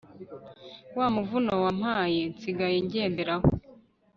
wa muvuno wampaye nsigaye njyenderaho